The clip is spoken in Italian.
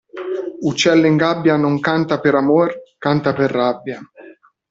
Uccello in gabbia non canta per amor, canta per rabbia.